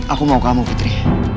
aku mau kamu putri